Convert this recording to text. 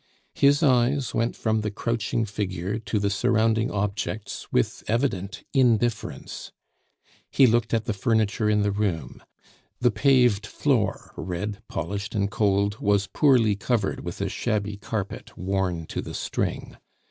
His eyes went from the crouching figure to the surrounding objects with evident indifference. He looked at the furniture in the room; the paved floor, red, polished, and cold, was poorly covered with a shabby carpet worn to the string.